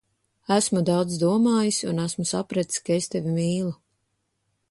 Esmu daudz domājis, un esmu sapratis, ka es tevi mīlu.